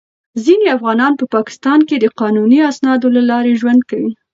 ځینې افغانان په پاکستان کې د قانوني اسنادو له لارې ژوند کوي.